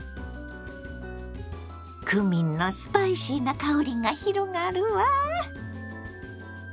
クミンのスパイシーな香りが広がるわ！